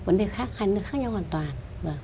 vấn đề khác hai nước khác nhau hoàn toàn